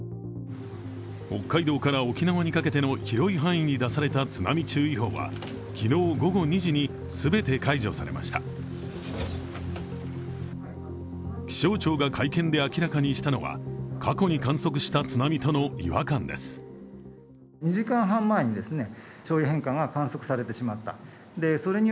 北海道から沖縄にかけての広い範囲に出された津波注意報は昨日午後２時に全て解除されました気象庁が会見で明らかにしたのは、過去に観測した津波との違和感です。